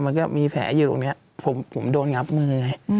มันก็มีแผลอยู่ตรงนี้ผมโดนงับมือไง